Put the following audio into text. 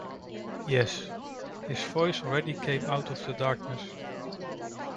“Yes.” His voice already came out of the darkness.